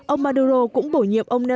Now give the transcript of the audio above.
ông maduro cũng bổ nhiệm ông nelson